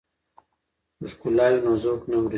که ښکلا وي نو ذوق نه مري.